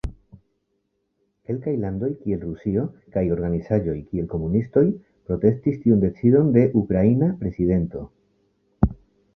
Kelkaj landoj, kiel Rusio, kaj organizaĵoj, kiel komunistoj, protestis tiun decidon de ukraina prezidento.